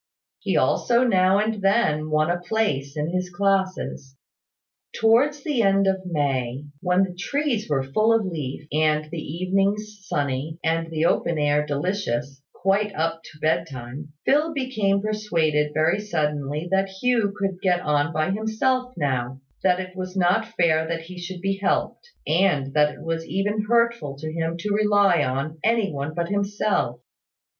He also now and then won a place in his classes. Towards the end of May, when the trees were full of leaf, and the evenings sunny, and the open air delicious, quite up to bedtime, Phil became persuaded, very suddenly, that Hugh could get on by himself now; that it was not fair that he should be helped; and that it was even hurtful to him to rely on any one but himself.